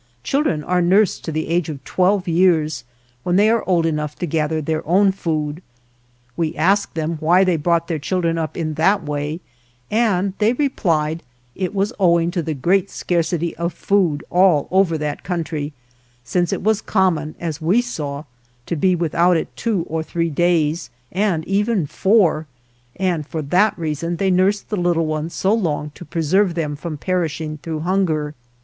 32 Children are nursed to the age of twelve years, when they are old enough to gather their own food. We asked them why they brought their children up in that way and they replied, it was owing to the great scar city of food all over that country, since it was common (as we saw) to be without it two or three days, and even four, and for that reason they nursed the little ones so long to preserve them, from perishing through hunger.